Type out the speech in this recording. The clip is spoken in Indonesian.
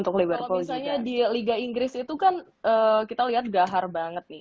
kalau misalnya di liga inggris itu kan kita lihat gahar banget nih